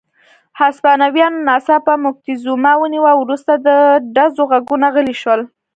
هسپانویانو ناڅاپه موکتیزوما ونیوه، وروسته د ډزو غږونه غلي شول.